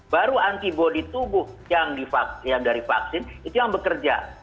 baru antibody tubuh yang dari vaksin itu yang bekerja